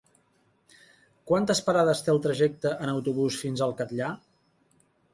Quantes parades té el trajecte en autobús fins al Catllar?